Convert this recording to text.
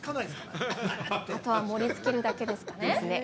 あとは盛りつけるだけですかね？